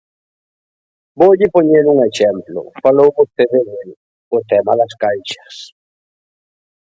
Voulle poñer un exemplo, falou vostede del, o tema das caixas.